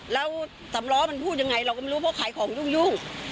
แล้วสำล้อมันพูดยังไงเราก็ไม่รู้เพราะขายของยุ่ง